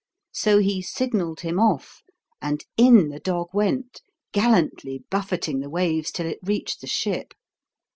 So he signalled him off, and in the dog went, gallantly buffeting the waves till it reached the ship.